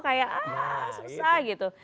kayak aah susah gitu